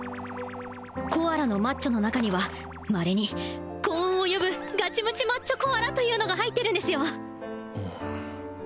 コアラのマッチョの中にはまれに幸運を呼ぶガチムチ・マッチョコアラというのが入ってるんですよ